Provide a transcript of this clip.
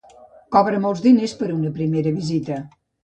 Cobra molts diners per una primera visita.